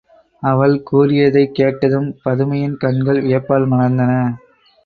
அவள் கூறியதைக் கேட்டதும் பதுமையின் கண்கள் வியப்பால் மலர்ந்தன.